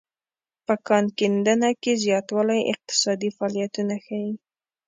په کان کیندنه کې زیاتوالی اقتصادي فعالیتونه ښيي